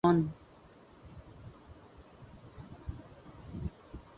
When Saltair was rebuilt, however, this traffic was all but gone.